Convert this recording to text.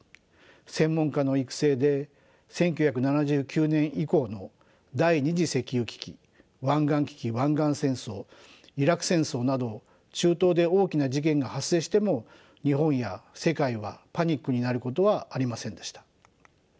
専門家の育成で１９７９年以降の第２次石油危機湾岸危機・湾岸戦争イラク戦争など中東で大きな事件が発生しても日本や世界はパニックになることはありませんでした。